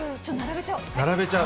並べちゃお。